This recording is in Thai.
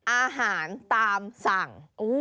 อาหารตามสั่ง